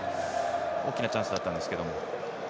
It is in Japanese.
大きなチャンスだったんですけど。